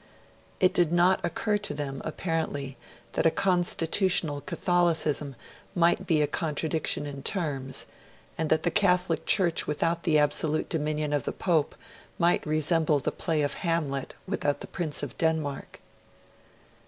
It did not occur to them, apparently, that a constitutional Catholicism might be a contradiction in terms, and that the Catholic Church, without the absolute dominion of the Pope, might resemble the play of Hamlet without the Prince of Denmark.